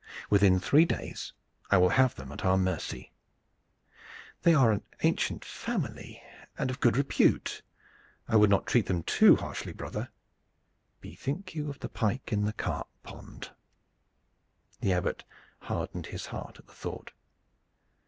Within three days I will have them at our mercy." "They are an ancient family and of good repute. I would not treat them too harshly, brother." "Bethink you of the pike in the carp pond!" The Abbot hardened his heart at the thought.